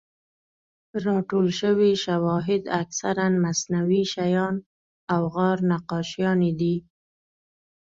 راټول شوي شواهد اکثراً مصنوعي شیان او غار نقاشیانې دي.